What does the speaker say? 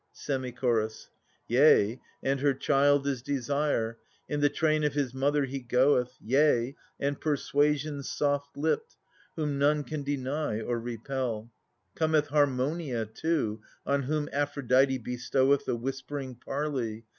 Semi Chorus. Yea,; and her child is Desire '^ in the train of his mother he go^th— Yea] and Persuasion soft lipped j whom none can deny or repel : Cometh Harmonia too, ion whom Aphrocfite bestoweth The whispering parley